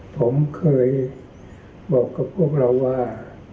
ผมเคยบอกกับพวกเราว่า